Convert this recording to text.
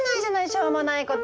しょうもないこと。